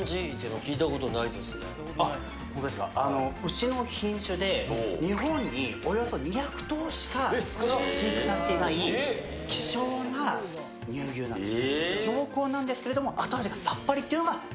牛の品種で日本におよそ２００頭しか飼育されていない希少な乳牛なんです。